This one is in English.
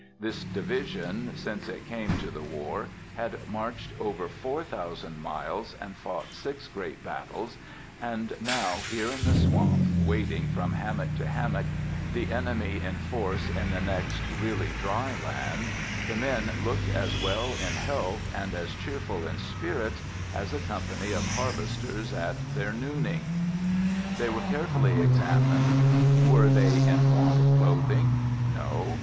This division, since it came to the war, had marched over four thousand miles, and fought six great battles, and now here in the swamp, wading from hammock to hammock, the enemy in force in the next really dry land, the men looked as well in health, and as cheerful in spirits, as a company of harvesters at their nooning. They were carefully examined. Were they in want of clothing? No.